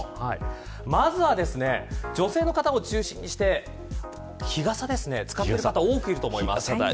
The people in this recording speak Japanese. まずは女性の方を中心に日傘を使ってる方多いと思います。